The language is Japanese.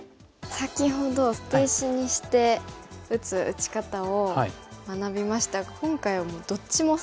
先ほど捨て石にして打つ打ち方を学びましたが今回はどっちも捨て石ですもんね。